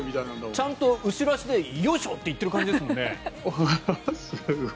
ちゃんと後ろ足でよいしょ！って言っている感じですもんね。